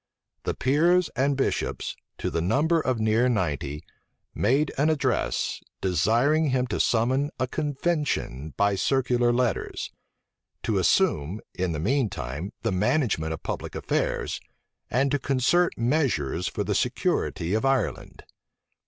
The peers and bishops, to the number of near ninety, made an address, desiring him to summon a convention by circular letters; to assume, in the mean time, the management of public affairs; and to concert measures for the security of Ireland.